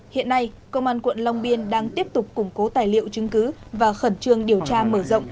hiện nay công an quận long biên đang tiếp tục củng cố tài liệu chứng cứ và khẩn trương điều tra mở rộng